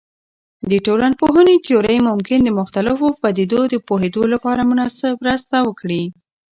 د ټولنپوهنې تیورۍ ممکن د مختلفو پدیدو د پوهیدو لپاره مرسته وکړي.